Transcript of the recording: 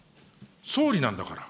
総理なんだから。